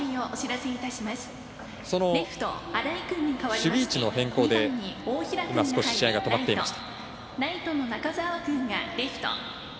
守備位置の変更で少し、試合が止まっていました。